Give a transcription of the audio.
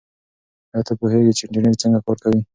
آیا ته پوهېږې چې انټرنیټ څنګه کار کوي؟